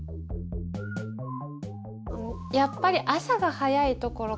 やっぱり朝が早いところかな。